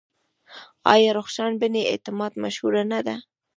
آیا رخشان بني اعتماد مشهوره نه ده؟